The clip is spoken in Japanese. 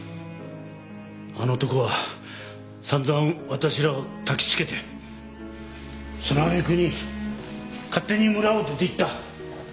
あの男は散々私らを焚きつけてその揚げ句に勝手に村を出ていった。